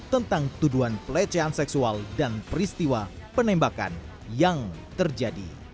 tentang tuduhan pelecehan seksual dan peristiwa penembakan yang terjadi